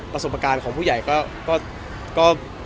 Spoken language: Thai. ประสบวกการของกลายใหญ่ก็